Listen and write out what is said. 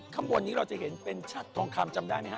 คำบนนี้เราจะเห็นเป็นชัดทองคำจำหน่ายไหมครับ